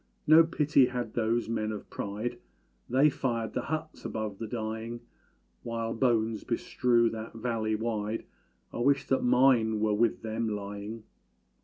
No pity had those men of pride, They fired the huts above the dying! While bones bestrew that valley wide I wish that mine were with them lying!